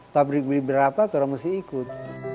pabrik beli berapa orang mesti ikut